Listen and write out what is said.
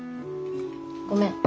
ごめん。